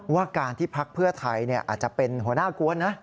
ว่าการที่พักเพื่อไทยอาจจะเป็นหัวหน้ากวนนะ